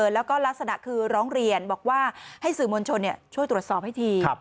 แล้วก็ลักษณะคือร้องเรียนบอกว่าให้สื่อมวลชนช่วยตรวจสอบให้ที